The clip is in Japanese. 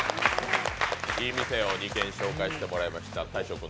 いい店を２軒紹介してもらいました。